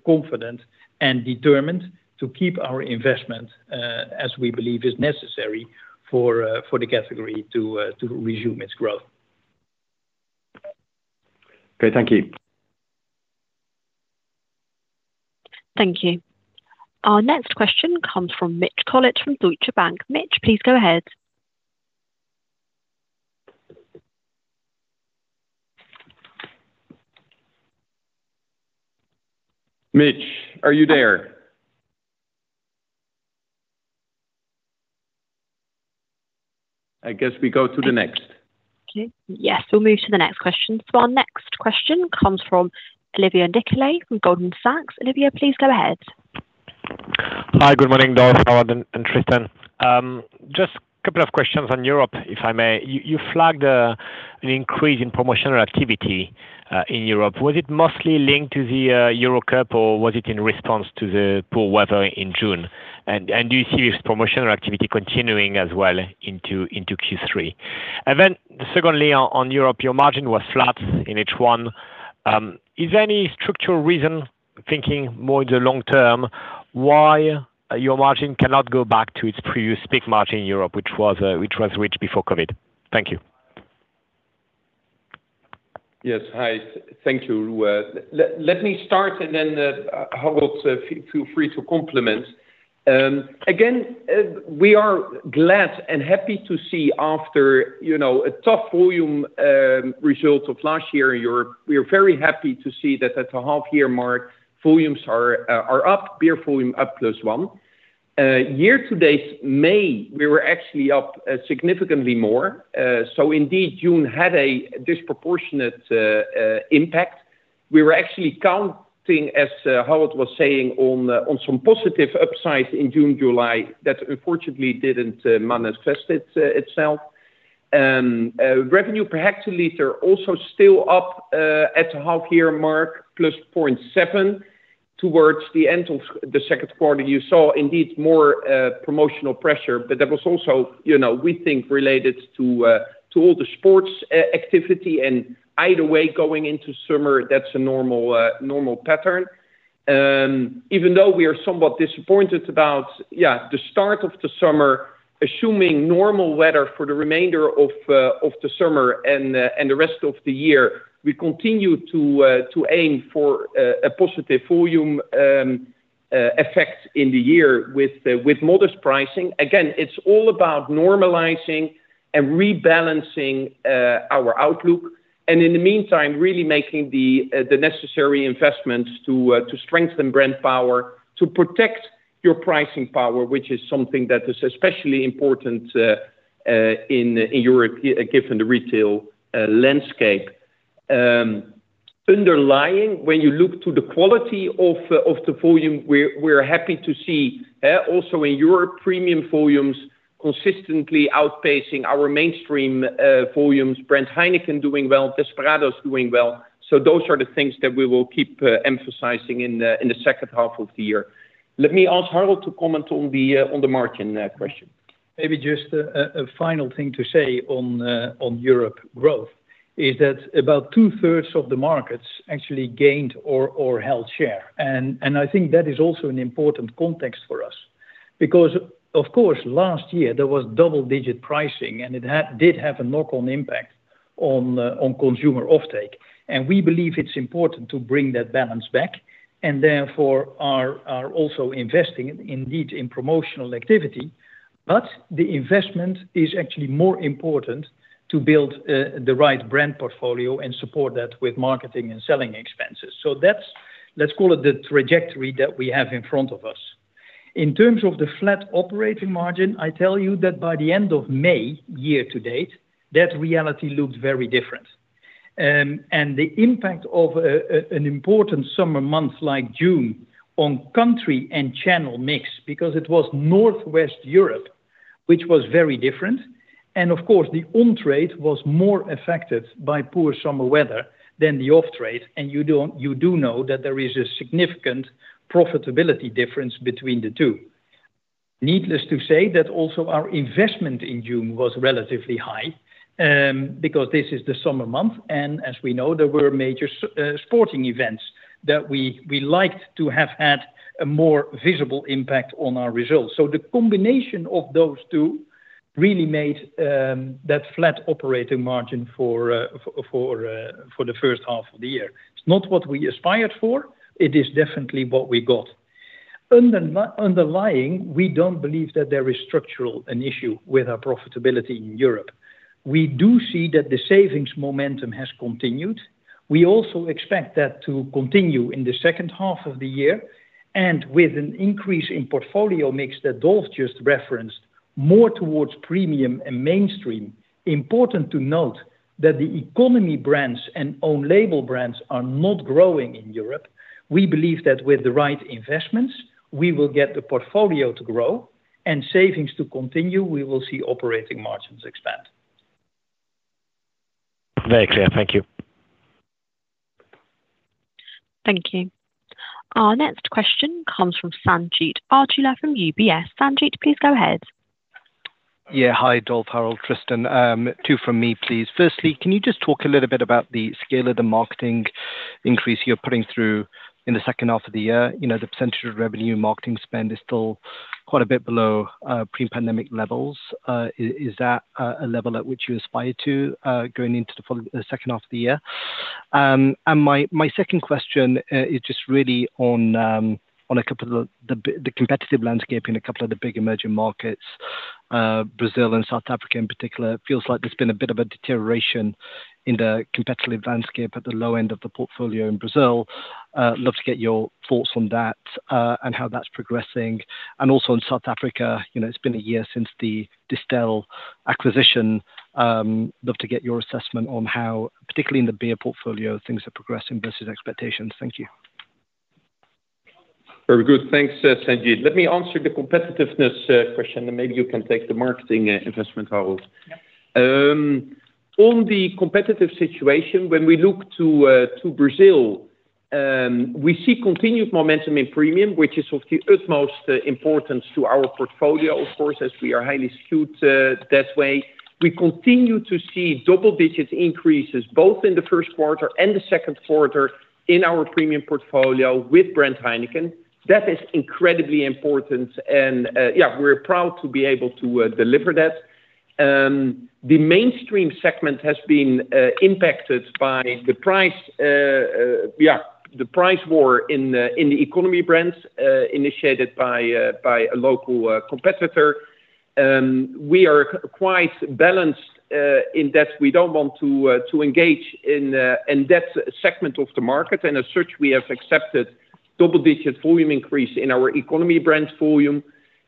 Speaker 3: confident and determined to keep our investment, as we believe is necessary for the category to resume its growth.
Speaker 5: Okay, thank you.
Speaker 4: Thank you. Our next question comes from Mitch Collett from Deutsche Bank. Mitch, please go ahead.
Speaker 2: Mitch, are you there? I guess we go to the next.
Speaker 4: Okay. Yes, we'll move to the next question. So our next question comes from Olivier Nicolai from Goldman Sachs. Olivier, please go ahead.
Speaker 6: Hi, good morning, Dolf, Harold, and Tristan. Just a couple of questions on Europe, if I may. You flagged an increase in promotional activity in Europe. Was it mostly linked to the Euro Cup, or was it in response to the poor weather in June? And do you see this promotional activity continuing as well into Q3? And then secondly, on Europe, your margin was flat in H1. Is there any structural reason, thinking more in the long term, why your margin cannot go back to its previous peak margin in Europe, which was reached before COVID? Thank you.
Speaker 2: Yes. Hi. Thank you, let me start, and then, Harold, feel free to complement. Again, we are glad and happy to see after, you know, a tough volume result of last year in Europe, we are very happy to see that at the half year mark, volumes are up, beer volume up +1. Year to date, May, we were actually up significantly more. So indeed, June had a disproportionate impact. We were actually counting, as Harold was saying, on some positive upside in June, July, that unfortunately didn't manifest itself. Revenue per hectoliter also still up at half year mark, +0.7. Towards the end of the second quarter, you saw indeed more, promotional pressure, but that was also, you know, we think related to, to all the sports activity, and either way, going into summer, that's a normal, normal pattern. Even though we are somewhat disappointed about, yeah, the start of the summer, assuming normal weather for the remainder of, of the summer and the rest of the year, we continue to, to aim for, a positive volume, effect in the year with, with modest pricing. Again, it's all about normalizing and rebalancing, our outlook, and in the meantime, really making the, the necessary investments to, to strengthen brand power, to protect your pricing power, which is something that is especially important, in Europe, given the retail landscape. Underlying, when you look to the quality of the volume, we're happy to see also in Europe, premium volumes consistently outpacing our mainstream volumes. Brand Heineken doing well, Desperados doing well. So those are the things that we will keep emphasizing in the second half of the year. Let me ask Harold to comment on the margin question.
Speaker 3: Maybe just a final thing to say on the, on Europe growth, is that about two-thirds of the markets actually gained or, or held share. And, and I think that is also an important context for us. Because, of course, last year there was double-digit pricing, and it had, did have a knock-on impact on, on consumer offtake, and we believe it's important to bring that balance back, and therefore are, are also investing indeed in promotional activity. But the investment is actually more important to build, the right brand portfolio and support that with marketing and selling expenses. So that's, let's call it the trajectory that we have in front of us. In terms of the flat operating margin, I tell you that by the end of May, year to date, that reality looks very different. And the impact of an important summer month, like June, on country and channel mix, because it was Northwest Europe, which was very different, and of course, the on-trade was more affected by poor summer weather than the off-trade, and you do know that there is a significant profitability difference between the two. Needless to say, that also our investment in June was relatively high, because this is the summer month, and as we know, there were major sporting events that we liked to have had a more visible impact on our results. So the combination of those two really made that flat operating margin for the first half of the year. It's not what we aspired for, it is definitely what we got. Underlying, we don't believe that there is a structural issue with our profitability in Europe. We do see that the savings momentum has continued. We also expect that to continue in the second half of the year, and with an increase in portfolio mix that Dolf just referenced, more towards premium and mainstream. Important to note that the economy brands and own label brands are not growing in Europe. We believe that with the right investments, we will get the portfolio to grow and savings to continue. We will see operating margins expand.
Speaker 6: Very clear. Thank you.
Speaker 4: Thank you. Our next question comes from Sanjeet Aujla from UBS. Sanjit, please go ahead.
Speaker 7: Yeah. Hi, Dolf, Harold, Tristan. Two from me, please. Firstly, can you just talk a little bit about the scale of the marketing increase you're putting through in the second half of the year? You know, the percentage of revenue marketing spend is still quite a bit below pre-pandemic levels. Is that a level at which you aspire to going into the following, the second half of the year? And my second question is just really on a couple of the competitive landscape in a couple of the big emerging markets, Brazil and South Africa in particular. It feels like there's been a bit of a deterioration in the competitive landscape at the low end of the portfolio in Brazil. Love to get your thoughts on that, and how that's progressing. And also in South Africa, you know, it's been a year since the Distell acquisition. Love to get your assessment on how, particularly in the beer portfolio, things are progressing versus expectations. Thank you.
Speaker 2: Very good. Thanks, Sanjit. Let me answer the competitiveness question, and maybe you can take the marketing investment, Harold. Yeah. On the competitive situation, when we look to Brazil, we see continued momentum in premium, which is of the utmost importance to our portfolio of course. We are highly skewed that way. We continue to see double-digit increases, both in the first quarter and the second quarter in our premium portfolio with brand Heineken. That is incredibly important and, yeah, we're proud to be able to deliver that. The mainstream segment has been impacted by the price war in the economy brands, initiated by a local competitor. We are quite balanced in that we don't want to engage in that segment of the market, and as such, we have accepted a double-digit volume increase in our economy brand volume.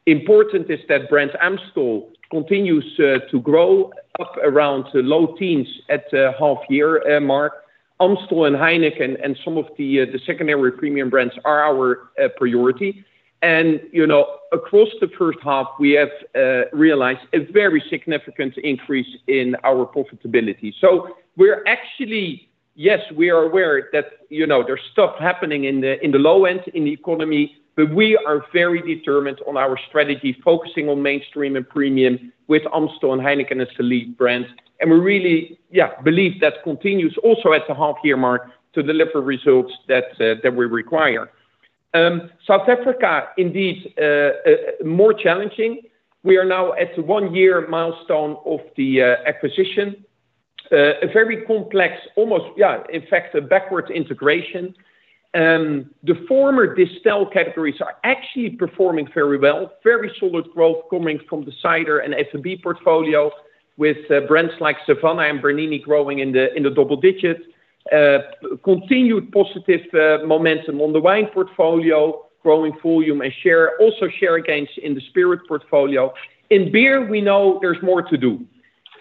Speaker 2: Important is that brand Amstel continues to grow up around the low teens at the half year mark. Amstel and Heineken and some of the secondary premium brands are our priority. And, you know, across the first half, we have realized a very significant increase in our profitability. So we're actually yes, we are aware that, you know, there's stuff happening in the low end, in the economy, but we are very determined on our strategy, focusing on mainstream and premium with Amstel and Heineken as elite brands. And we really, yeah, believe that continues also at the half year mark to deliver results that we require. South Africa, indeed, more challenging. We are now at the one-year milestone of the acquisition. A very complex almost, yeah, in fact, a backwards integration. The former Distell categories are actually performing very well. Very solid growth coming from the cider and F&B portfolio with brands like Savanna and Bernini growing in the double digits. Continued positive momentum on the wine portfolio, growing volume and share, also share gains in the spirit portfolio. In beer, we know there's more to do.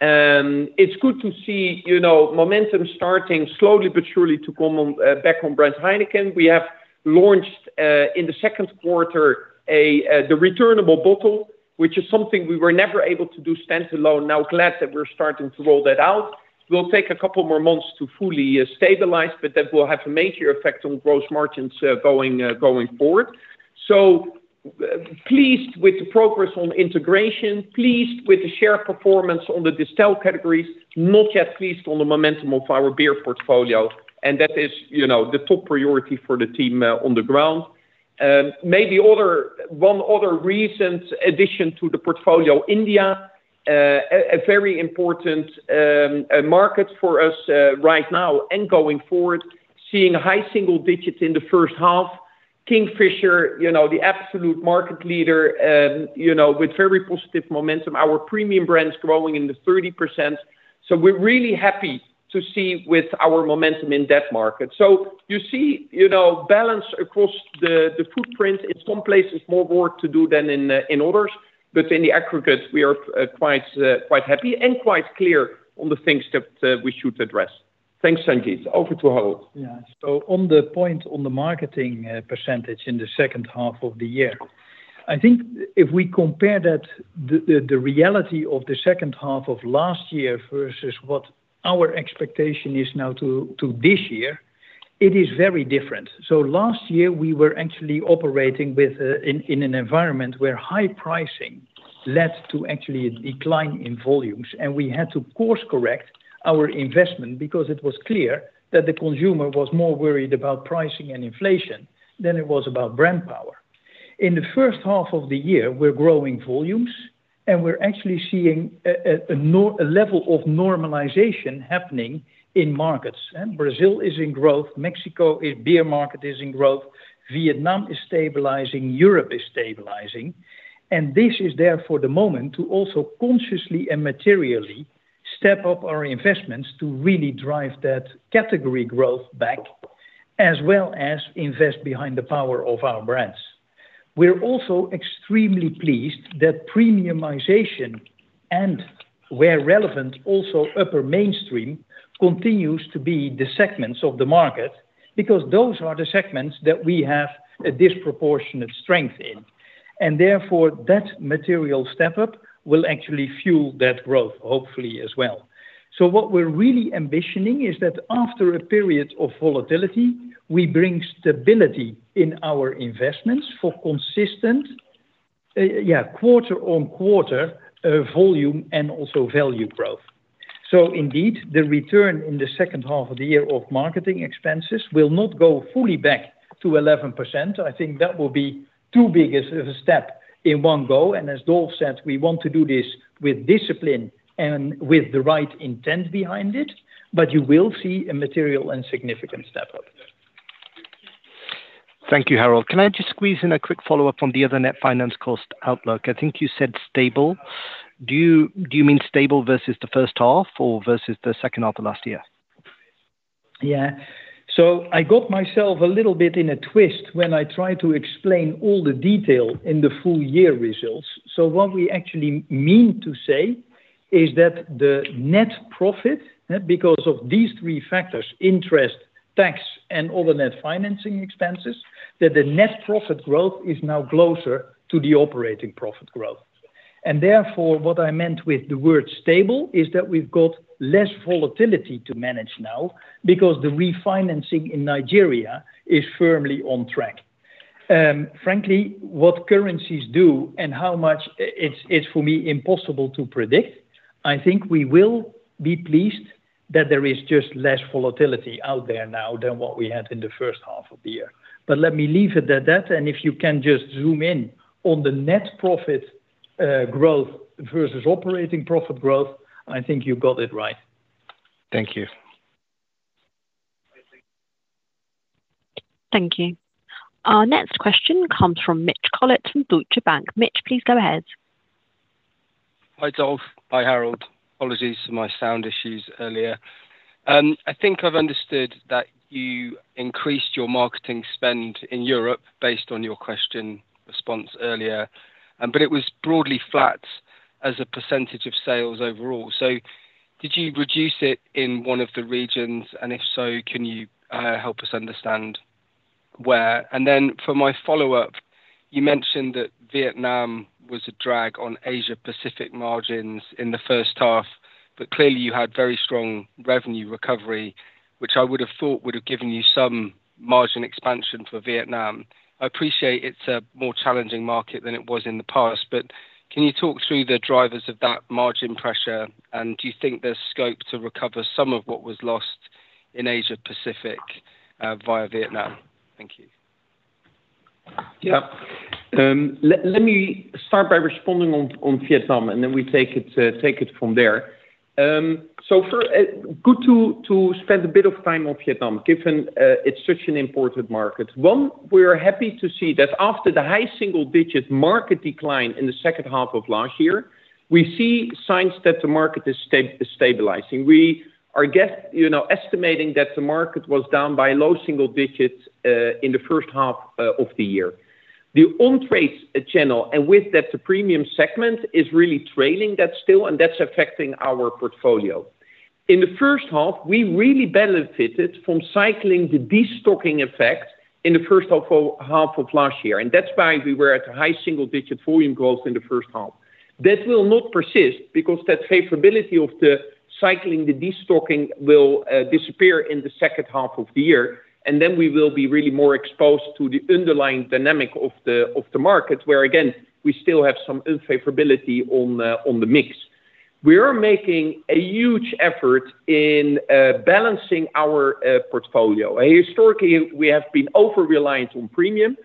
Speaker 2: It's good to see, you know, momentum starting slowly but surely to come back on brand Heineken. We have launched in the second quarter the returnable bottle, which is something we were never able to do stand alone. Now, glad that we're starting to roll that out. Will take a couple more months to fully stabilize, but that will have a major effect on gross margins going forward. So, pleased with the progress on integration, pleased with the share performance on the Distell categories, not yet pleased on the momentum of our beer portfolio, and that is, you know, the top priority for the team, on the ground. One other recent addition to the portfolio, India, a very important market for us, right now and going forward, seeing high single digits in the first half. Kingfisher, you know, the absolute market leader, you know, with very positive momentum. Our premium brand's growing in the 30%. So we're really happy to see with our momentum in that market. So you see, you know, balance across the, the footprint. In some places, more work to do than in others, but in the aggregate, we are quite happy and quite clear on the things that we should address. Thanks, Sanjit. Over to Harold.
Speaker 3: Yeah. So on the point on the marketing percentage in the second half of the year, I think if we compare that the reality of the second half of last year versus what our expectation is now to this year, it is very different. So last year, we were actually operating within an environment where high pricing led to actually a decline in volumes, and we had to course-correct our investment because it was clear that the consumer was more worried about pricing and inflation than it was about brand power. In the first half of the year, we're growing volumes, and we're actually seeing a level of normalization happening in markets. And Brazil is in growth, Mexico, its beer market is in growth, Vietnam is stabilizing, Europe is stabilizing. This is there for the moment to also consciously and materially step up our investments to really drive that category growth back, as well as invest behind the power of our brands. We're also extremely pleased that premiumization and where relevant, also upper mainstream, continues to be the segments of the market, because those are the segments that we have a disproportionate strength in, and therefore, that material step up will actually fuel that growth, hopefully, as well. So what we're really ambitioning is that after a period of volatility, we bring stability in our investments for consistent quarter-on-quarter volume and also value growth. Indeed, the return in the second half of the year of marketing expenses will not go fully back to 11%. I think that will be too big a step in one go, and as Dolf said, we want to do this with discipline and with the right intent behind it, but you will see a material and significant step up.
Speaker 7: Thank you, Harold. Can I just squeeze in a quick follow-up on the other net finance cost outlook? I think you said stable. Do you mean stable versus the first half or versus the second half of last year?
Speaker 3: Yeah. So I got myself a little bit in a twist when I tried to explain all the detail in the full year results. So what we actually mean to say is that the net profit, because of these three factors: interest, tax, and other net financing expenses, that the net profit growth is now closer to the operating profit growth. And therefore, what I meant with the word stable, is that we've got less volatility to manage now because the refinancing in Nigeria is firmly on track. Frankly, what currencies do and how much, it's for me, impossible to predict. I think we will be pleased that there is just less volatility out there now than what we had in the first half of the year. Let me leave it at that, and if you can just zoom in on the net profit growth versus operating profit growth, I think you got it right.
Speaker 7: Thank you.
Speaker 4: Thank you. Our next question comes from Mitch Collett from Deutsche Bank. Mitch, please go ahead.
Speaker 8: Hi, Dolf. Hi, Harold. Apologies for my sound issues earlier. I think I've understood that you increased your marketing spend in Europe based on your question response earlier, but it was broadly flat as a percentage of sales overall. So did you reduce it in one of the regions? And if so, can you help us understand where? And then for my follow-up, you mentioned that Vietnam was a drag on Asia Pacific margins in the first half, but clearly, you had very strong revenue recovery, which I would have thought would have given you some margin expansion for Vietnam. I appreciate it's a more challenging market than it was in the past, but can you talk through the drivers of that margin pressure? And do you think there's scope to recover some of what was lost in Asia Pacific, via Vietnam? Thank you.
Speaker 2: Yeah. Let me start by responding on Vietnam, and then we take it from there. So first, good to spend a bit of time on Vietnam, given it's such an important market. One, we're happy to see that after the high single digits market decline in the second half of last year, we see signs that the market is stabilizing. We are, you know, estimating that the market was down by low single digits in the first half of the year. The on-trade channel, and with that, the premium segment, is really trailing that still, and that's affecting our portfolio. In the first half, we really benefited from cycling the destocking effect in the first half of last year, and that's why we were at a high single-digit volume growth in the first half. That will not persist because that favorability of the cycling, the destocking, will disappear in the second half of the year, and then we will be really more exposed to the underlying dynamic of the market, where, again, we still have some unfavorability on the mix. We are making a huge effort in balancing our portfolio, and historically, we have been over-reliant on premium.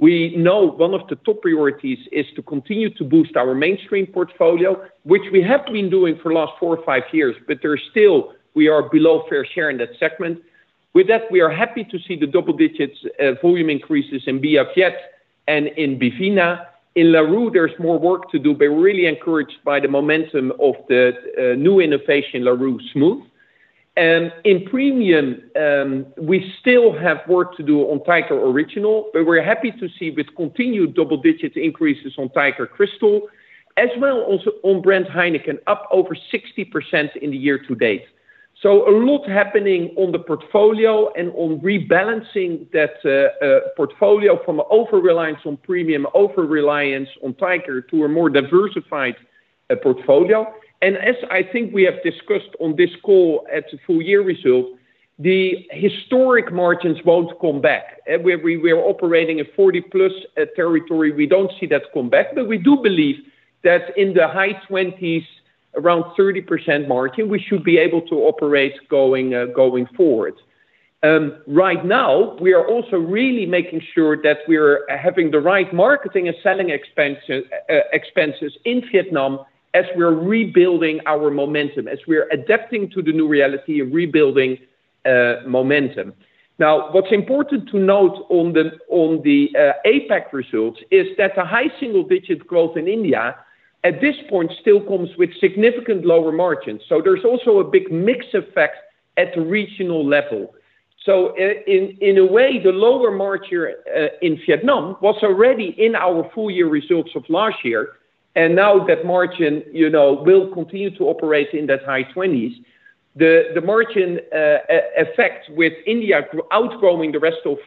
Speaker 2: We know one of the top priorities is to continue to boost our mainstream portfolio, which we have been doing for the last four or five years, but there are still we are below fair share in that segment. With that, we are happy to see the double-digit volume increases in Bia Viet and in Bivina. In Larue, there's more work to do, but really encouraged by the momentum of the new innovation, Larue Smooth. In premium, we still have work to do on Tiger Original, but we're happy to see with continued double-digit increases on Tiger Crystal, as well also on brand Heineken, up over 60% in the year to date. So a lot happening on the portfolio and on rebalancing that portfolio from over-reliance on premium, over-reliance on Tiger, to a more diversified portfolio. And as I think we have discussed on this call at the full year results, the historic margins won't come back, and we are operating at 40+ territory. We don't see that come back. But we do believe that in the high 20s, around 30% margin, we should be able to operate going forward. Right now, we are also really making sure that we are having the right marketing and selling expenses in Vietnam as we're rebuilding our momentum, as we're adapting to the new reality of rebuilding momentum. Now, what's important to note on the APAC results is that the high single-digit growth in India, at this point, still comes with significant lower margins. So there's also a big mix effect at the regional level. So in a way, the lower margin in Vietnam was already in our full year results of last year, and now that margin, you know, will continue to operate in that high 20s. The margin effect with India outgrowing the rest of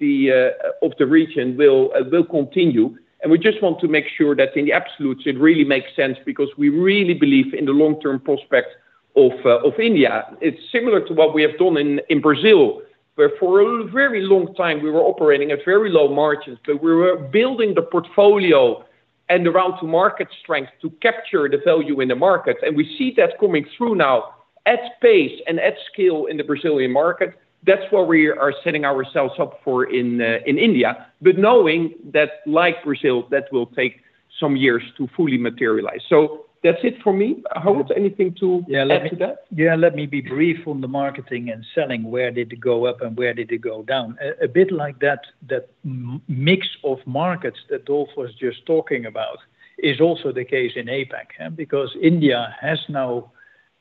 Speaker 2: the region will continue, and we just want to make sure that in the absolutes, it really makes sense because we really believe in the long-term prospect of India. It's similar to what we have done in Brazil, where for a very long time we were operating at very low margins, but we were building the portfolio and the route to market strength to capture the value in the market. And we see that coming through now at pace and at scale in the Brazilian market. That's what we are setting ourselves up for in India, but knowing that like Brazil, that will take some years to fully materialize. So that's it for me. Harold, anything to-
Speaker 3: Yeah.
Speaker 2: Add to that?
Speaker 3: Yeah, let me be brief on the marketing and selling. Where did it go up and where did it go down? Ah, a bit like that mix of markets that Dolf was just talking about is also the case in APAC, huh? Because India has now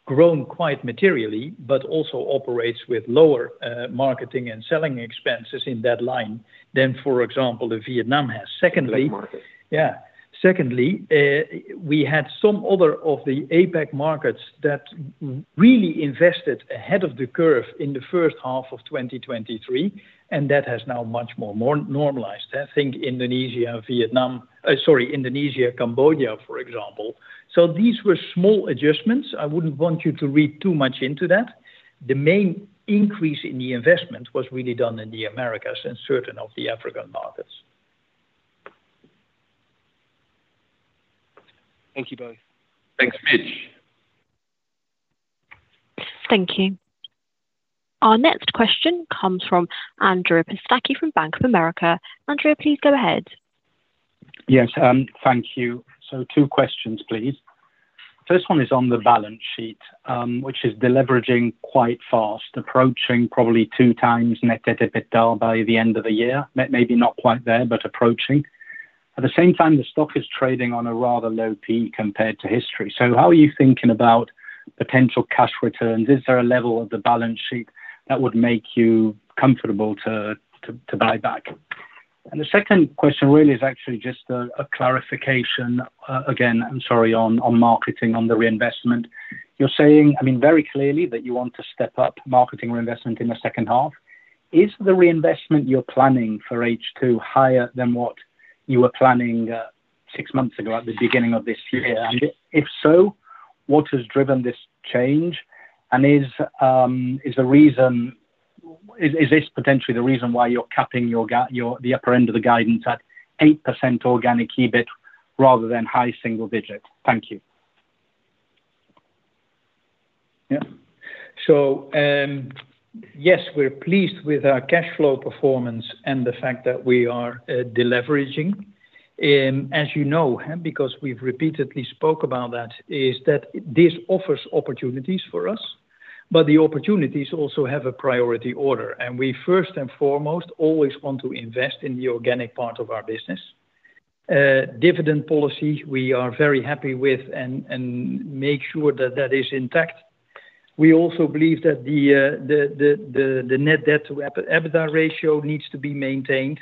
Speaker 3: grown quite materially, but also operates with lower marketing and selling expenses in that line than, for example, the Vietnam has. Secondly-
Speaker 2: Big market.
Speaker 3: Yeah. Secondly, we had some other of the APAC markets that really invested ahead of the curve in the first half of 2023, and that has now much more normalized. I think Indonesia, Vietnam sorry, Indonesia, Cambodia, for example. So these were small adjustments. I wouldn't want you to read too much into that. The main increase in the investment was really done in the Americas and certain of the African markets.
Speaker 8: Thank you both.
Speaker 2: Thanks, Mitch.
Speaker 4: Thank you. Our next question comes from Andrea Pistacchi from Bank of America. Andrea, please go ahead.
Speaker 9: Yes, thank you. So 2 questions, please. First one is on the balance sheet, which is deleveraging quite fast, approaching probably 2x net debt EBITDA by the end of the year. Maybe not quite there, but approaching. At the same time, the stock is trading on a rather low P/E compared to history. So how are you thinking about potential cash returns? Is there a level of the balance sheet that would make you comfortable to buy back? And the second question really is actually just a clarification. Again, I'm sorry, on marketing, on the reinvestment. You're saying, I mean, very clearly that you want to step up marketing reinvestment in the second half. Is the reinvestment you're planning for H2 higher than what you were planning six months ago at the beginning of this year?
Speaker 3: Yeah.
Speaker 9: If so, what has driven this change? Is this potentially the reason why you're capping the upper end of the guidance at 8% organic EBIT rather than high single digits? Thank you.
Speaker 3: Yeah. So, yes, we're pleased with our cash flow performance and the fact that we are, deleveraging. As you know, because we've repeatedly spoke about that, is that this offers opportunities for us, but the opportunities also have a priority order, and we, first and foremost, always want to invest in the organic part of our business. Dividend policy, we are very happy with and make sure that that is intact. We also believe that the net debt to EBITDA ratio needs to be maintained.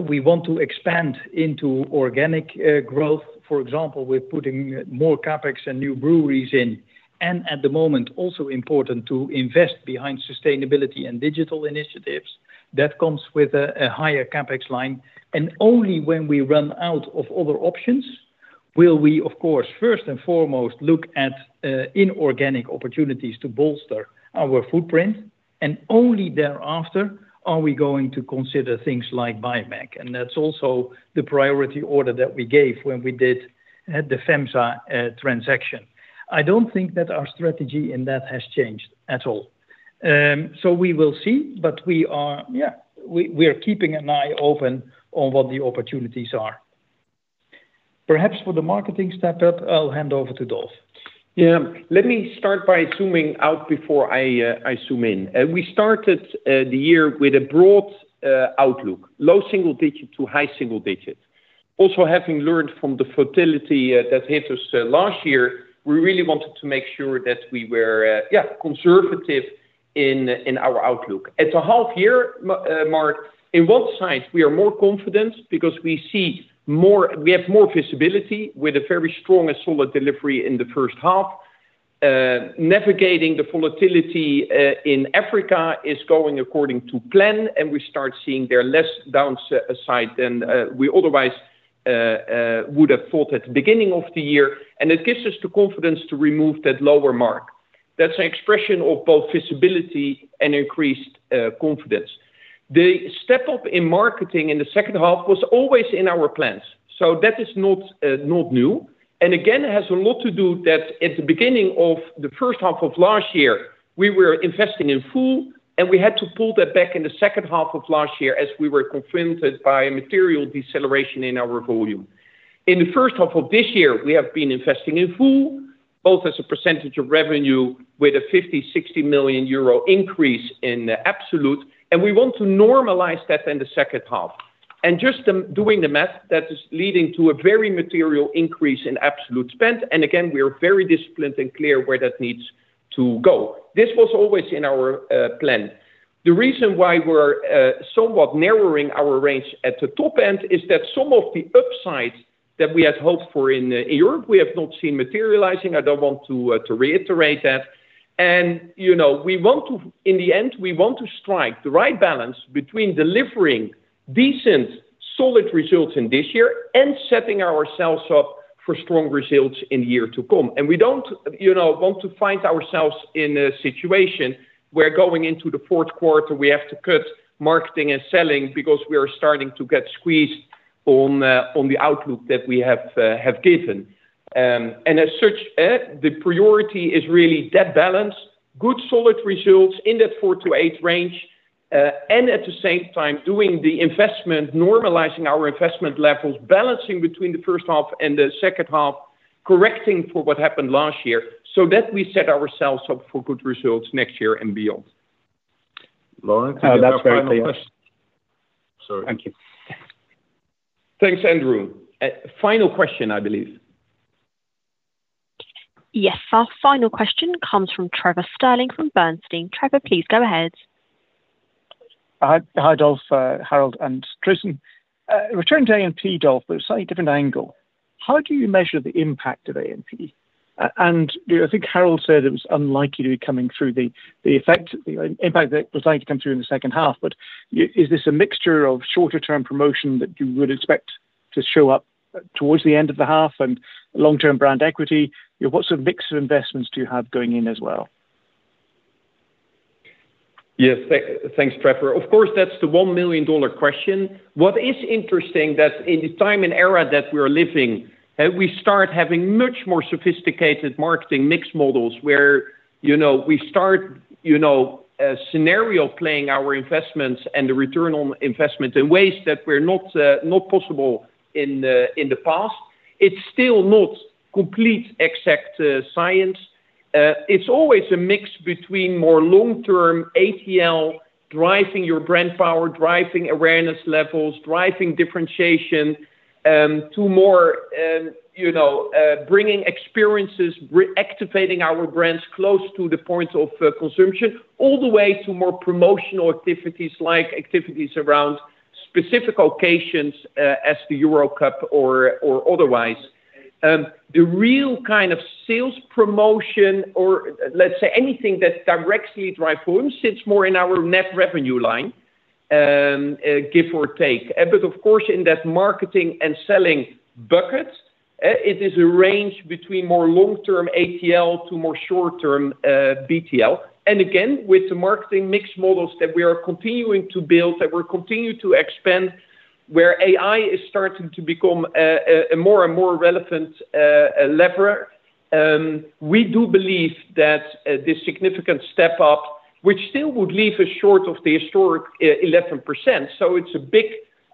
Speaker 3: We want to expand into organic, growth. For example, we're putting more CapEx and new breweries in, and at the moment, also important to invest behind sustainability and digital initiatives. That comes with a higher CapEx line. And only when we run out of other options will we, of course, first and foremost, look at inorganic opportunities to bolster our footprint, and only thereafter are we going to consider things like buyback. And that's also the priority order that we gave when we did the FEMSA transaction. I don't think that our strategy in that has changed at all. So we will see, but we are, yeah, we, we are keeping an eye open on what the opportunities are. Perhaps for the marketing step-up, I'll hand over to Dolf.
Speaker 2: Yeah. Let me start by zooming out before I, I zoom in. We started the year with a broad outlook, low single digit to high single digit. Also, having learned from the volatility that hit us last year, we really wanted to make sure that we were, yeah, conservative in, in our outlook. At the half year mark, in what size we are more confident because we see more—we have more visibility with a very strong and solid delivery in the first half. Navigating the volatility in Africa is going according to plan, and we start seeing there less downside than we otherwise would have thought at the beginning of the year, and it gives us the confidence to remove that lower mark. That's an expression of both visibility and increased confidence. The step up in marketing in the second half was always in our plans, so that is not, not new, and again, has a lot to do that at the beginning of the first half of last year, we were investing in full, and we had to pull that back in the second half of last year as we were confronted by a material deceleration in our volume. In the first half of this year, we have been investing in full, both as a percentage of revenue, with a 50-60 million euro increase in absolute, and we want to normalize that in the second half. And just the, doing the math, that is leading to a very material increase in absolute spend, and again, we are very disciplined and clear where that needs to go. This was always in our, plan. The reason why we're somewhat narrowing our range at the top end is that some of the upside that we had hoped for in Europe, we have not seen materializing. I don't want to to reiterate that. You know, we want to in the end, we want to strike the right balance between delivering decent, solid results in this year and setting ourselves up for strong results in the year to come. We don't, you know, want to find ourselves in a situation where going into the fourth quarter, we have to cut marketing and selling because we are starting to get squeezed on, on the outlook that we have, have given. As such, the priority is really that balance, good, solid results in that 4-8 range, and at the same time, doing the investment, normalizing our investment levels, balancing between the first half and the second half, correcting for what happened last year, so that we set ourselves up for good results next year and beyond.
Speaker 3: Lauren, is there a final question?
Speaker 9: Oh, that's very clear.
Speaker 3: Sorry.
Speaker 9: Thank you.
Speaker 2: Thanks, Andrea. Final question, I believe.
Speaker 4: Yes. Our final question comes from Trevor Stirling, from Bernstein. Trevor, please go ahead.
Speaker 10: Hi. Hi, Dolf, Harold, and Tristan. Returning to A&P, Dolf, but a slightly different angle. How do you measure the impact of A&P? And I think Harold said it was unlikely to be coming through the effect, the impact that was going to come through in the second half, but is this a mixture of shorter-term promotion that you would expect to show up towards the end of the half and long-term brand equity? You know, what sort of mix of investments do you have going in as well?
Speaker 2: Yes, thanks, Trevor. Of course, that's the $1 million question. What is interesting that in the time and era that we're living, we start having much more sophisticated marketing mix models where, you know, we start, you know, scenario playing our investments and the return on investment in ways that were not, not possible in, in the past. It's still not complete exact science. It's always a mix between more long-term ATL, driving your brand power, driving awareness levels, driving differentiation, to more, you know, bringing experiences, re-activating our brands close to the points of consumption, all the way to more promotional activities, like activities around specific occasions, as the Euro Cup or otherwise. The real kind of sales promotion or let's say anything that directly drive home, sits more in our net revenue line, give or take. But of course, in that marketing and selling bucket, it is a range between more long-term ATL to more short-term BTL. And again, with the marketing mix models that we are continuing to build, that we're continuing to expand, where AI is starting to become a more and more relevant lever. We do believe that the significant step up, which still would leave us short of the historic 11%, so it's a big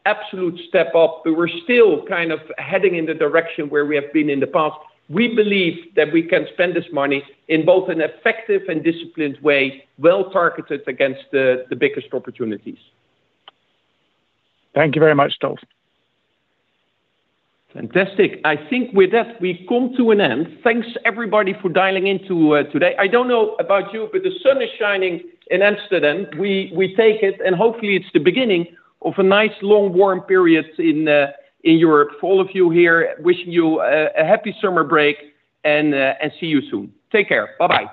Speaker 2: absolute step up, but we're still kind of heading in the direction where we have been in the past. We believe that we can spend this money in both an effective and disciplined way, well targeted against the biggest opportunities.
Speaker 10: Thank you very much, Dolf.
Speaker 2: Fantastic. I think with that, we've come to an end. Thanks everybody for dialing into today. I don't know about you, but the sun is shining in Amsterdam. We take it, and hopefully, it's the beginning of a nice, long, warm period in Europe. For all of you here, wishing you a happy summer break and see you soon. Take care. Bye-bye.